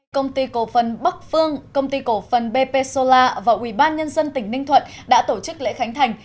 công ty cổ phần bắc phương công ty cổ phần bp solar và ủy ban nhân dân tỉnh ninh thuận đã tổ chức lễ khánh thành